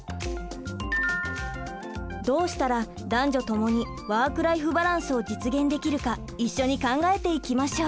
どうしたら男女ともにワーク・ライフ・バランスを実現できるか一緒に考えていきましょう。